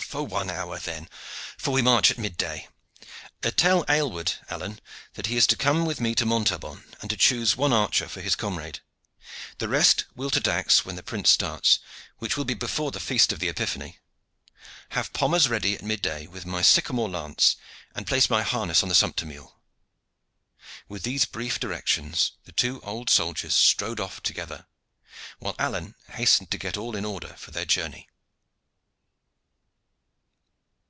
"For one hour, then; for we march at mid day. Tell Aylward, Alleyne, that he is to come with me to Montaubon, and to choose one archer for his comrade. The rest will to Dax when the prince starts, which will be before the feast of the Epiphany. Have Pommers ready at mid day with my sycamore lance, and place my harness on the sumpter mule." With these brief directions, the two old soldiers strode off together, while Alleyne hastened to get all in order for their journey.